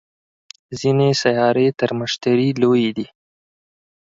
ځینې سیارې تر مشتري لویې دي